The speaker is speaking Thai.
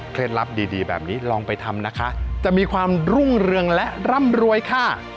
ลับดีแบบนี้ลองไปทำนะคะจะมีความรุ่งเรืองและร่ำรวยค่ะ